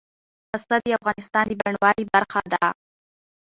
پسه د افغانستان د بڼوالۍ برخه ده.